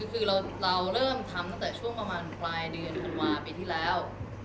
คือเราเริ่มทำตั้งแต่ช่วงประมาณปลายเดือนธันวาปีที่แล้ว